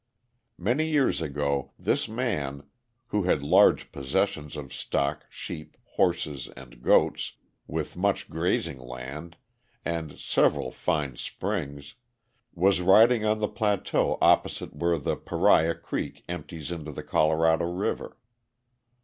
Many years ago this man, who had large possessions of stock, sheep, horses, and goats, with much grazing land, and several fine springs, was riding on the plateau opposite where the Paria Creek empties into the Colorado River.